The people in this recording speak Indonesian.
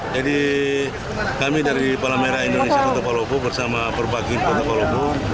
jadi kami dari palamera indonesia kota kuala lumpur bersama berbagi kota kuala lumpur